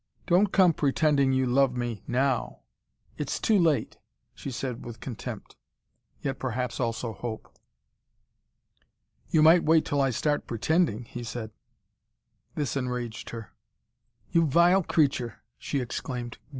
"Don't come pretending you love me, NOW. It's too late," she said with contempt. Yet perhaps also hope. "You might wait till I start pretending," he said. This enraged her. "You vile creature!" she exclaimed.